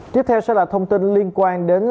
tiếp theo sẽ là thông tin liên quan đến